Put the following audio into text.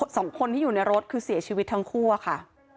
สองคนที่อยู่ในรถคือเสียชีวิตทั้งคู่อะค่ะ